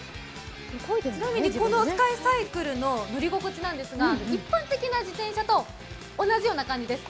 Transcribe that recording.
ちなみにこのスカイサイクルの乗り心地なんですが一般的な自転車と同じような感じです。